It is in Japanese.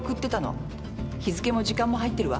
日付も時間も入ってるわ。